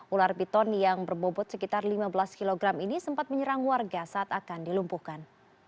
ular piton yang berbobot sekitar lima belas kg ini sempat menyerang warga saat akan dilumpuhkan